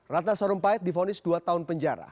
ratna sarumpait difonis dua tahun penjara